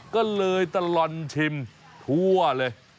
ก็เลยตลอดชิมทั่วเลย